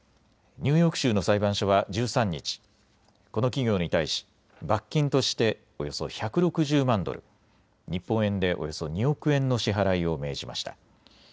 ニューヨーク州の裁判所は１３日、この企業に対し罰金としておよそ１６０万ドル、日本円でおよそ２億円の支払いを命じました。